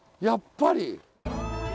やっぱり！